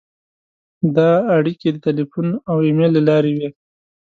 دا اړیکې د تیلفون او ایمېل له لارې وې.